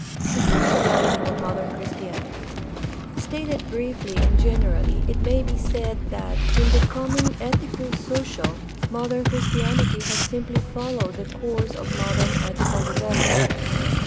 The socializing of modem Christianity. — Stated briefly and generally, it may be said that, in becoming ethico social, modern Christianity has simply followed the course of modern ethical development.